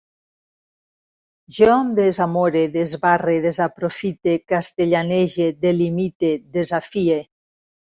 Jo em desamore, desbarre, desaprofite, castellanege, delimite, desafie